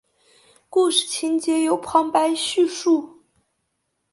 故事情节由旁白叙述。